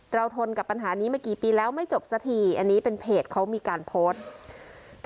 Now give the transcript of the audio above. ทนกับปัญหานี้มากี่ปีแล้วไม่จบสักทีอันนี้เป็นเพจเขามีการโพสต์